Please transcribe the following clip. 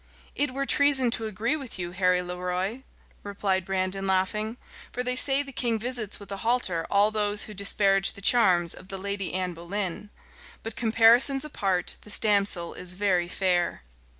"It were treason to agree with you, Harry La Roy," replied Brandon, laughing, "for they say the king visits with the halter all those who disparage the charms of the Lady Anne Boleyn. But, comparisons apart, this damsel is very fair."